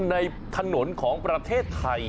ในถนนของประเทศไทย